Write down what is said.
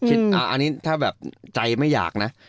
อันนี้ถ้าแบบใจไม่อยากนะ